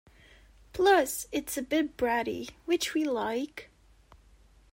Plus it's a bit bratty, which we like!